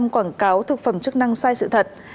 chín mươi quảng cáo thực phẩm chức năng sai sự thật